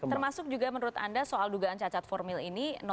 termasuk juga menurut anda soal dugaan cacat formil ini